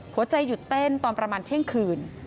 หัวใจหยุดเต้นตอนประมาณเที่ยงคืน